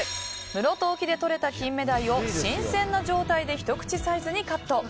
室戸沖でとれたキンメダイを新鮮な状態でひと口大にカット。